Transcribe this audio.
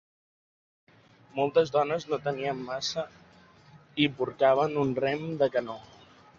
Moltes dones no tenien massa i portaven un rem de canoa.